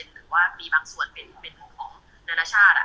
หรือว่ามีบางส่วนเป็นมุมของนานาชาติ